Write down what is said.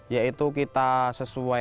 yaitu kita mencari sampah yang berbeda